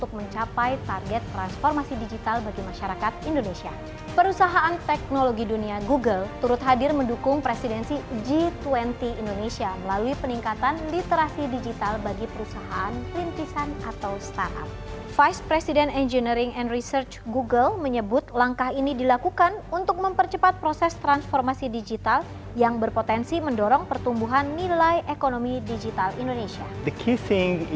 konektivitas yang memandai dalam sektor teknologi menjadi salah satu kebutuhan yang harus diperlukan